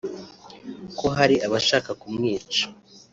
ko hari abashaka kumwica